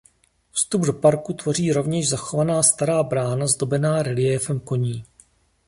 Vstup do parku tvoří rovněž zachovaná stará brána zdobená reliéfem koní.